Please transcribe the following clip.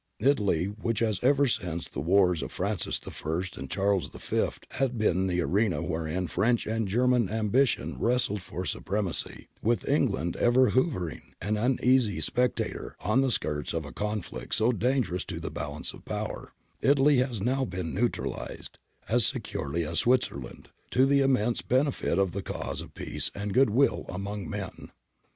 Italy, which ever since the wars of Francis I and Charles V, had been the arena wherein French and German am bition wrestled for supremacy, with England ever hover ing, an uneasy spectator, on the skirts of a conflict so dangerous to the Balance of Power — Italy has now been ' neutralised ' as securely as Switzerland, to the immense benefit of the cause of peace and goodwill among men.